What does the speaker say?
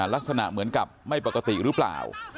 ลักษณะเหมือนกับไม่ปกติหรือเปล่า